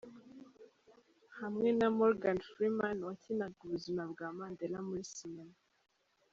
Hamwe na Morgan Freeman wakinaga ubuzima bwa Mandela muri cinema.